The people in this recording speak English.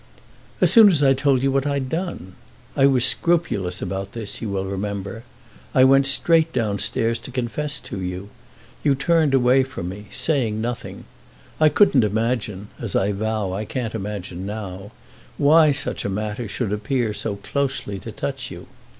"As soon as I told you what I had done. I was scrupulous about this, you will remember; I went straight downstairs to confess to you. You turned away from me, saying nothing; I couldn't imagine—as I vow I can't imagine now—why such a matter should appear so closely to touch you.